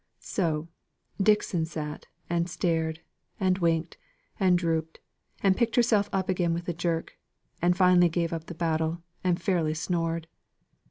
So, Dixon sat, and stared, and winked, and drooped, and picked herself up again with a jerk, and finally gave up the battle, and fairly snored.